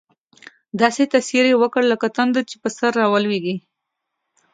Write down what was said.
داسې تاثیر یې وکړ، لکه تندر چې پر سر راولوېږي.